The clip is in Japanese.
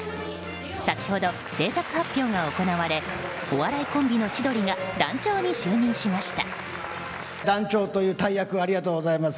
先ほど、制作発表が行われお笑いコンビの千鳥が団長に就任しました。